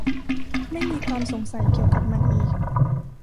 ไม่มีความสงสัยเกี่ยวกับมันอีก